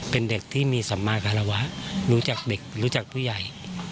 เป็นเด็กที่มีสัมมาคารวะรู้จักเด็กรู้จักผู้ใหญ่